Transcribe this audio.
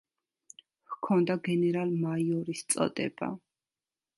ჰქონდა გენერალ-მაიორის წოდება.